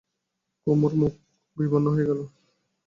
কুমুর মুখ বিবর্ণ হয়ে গেল।